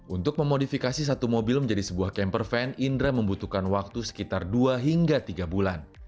untuk memodifikasi satu mobil menjadi sebuah camper van indra membutuhkan waktu sekitar dua hingga tiga bulan